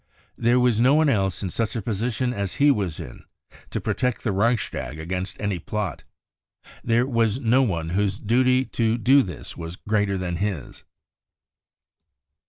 There was no one else in such a position as he was in to protect the Reichstag against any plot. There was no one whose duty to do this was greater than his.